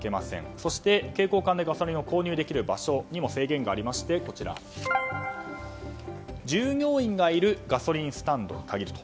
そして、携行缶でガソリンが購入できる場所にも制限がありまして従業員がいるガソリンスタンドに限ると。